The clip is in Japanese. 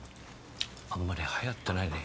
あんまり流行ってないね。